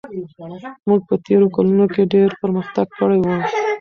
موږ په تېرو کلونو کې ډېر پرمختګ کړی و.